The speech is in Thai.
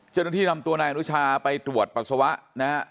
เจ้าหน้าที่นำตัวนายอนุชาไปตรวจปัสสาวะนะฮะ